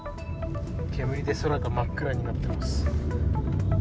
煙で空が真っ暗になってます。